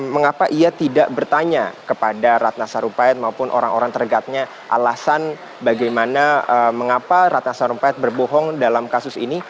mengapa ia tidak bertanya kepada ratna sarumpait maupun orang orang tergatnya alasan bagaimana mengapa ratna sarumpait berbohong dalam kasus ini